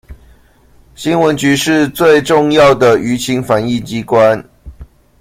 新聞局是最重要的輿情反映機關